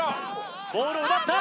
ボールを奪った！